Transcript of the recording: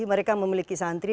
mereka memiliki santri